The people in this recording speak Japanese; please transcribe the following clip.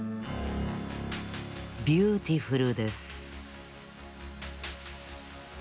ビューティフルです